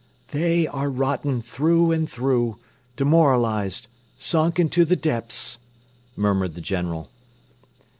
"They are rotten through and through, demoralized, sunk into the depths," murmured the General.